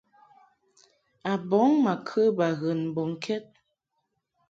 Abɔŋ ma kə baghɨn mbɔŋkɛd.